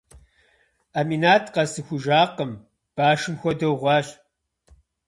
Аминат къэсцӏыхужакъым, башым хуэдэу гъуащ.